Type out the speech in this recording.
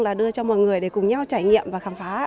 là đưa cho mọi người để cùng nhau trải nghiệm và khám phá